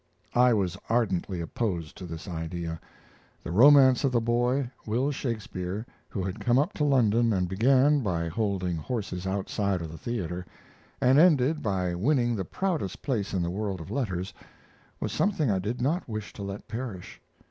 I was ardently opposed to this idea. The romance of the boy, Will Shakespeare, who had come up to London and began, by holding horses outside of the theater, and ended by winning the proudest place in the world of letters, was something I did not wish to let perish.